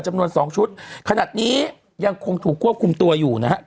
จำนวนสองชุดขนาดนี้ยังคงถูกควบคุมตัวอยู่นะครับ